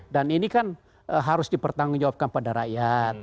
dan ini kan harus dipertanggung jawabkan kepada rakyat